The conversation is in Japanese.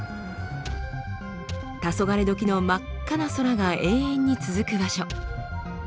黄昏時の真っ赤な空が永遠に続く場所。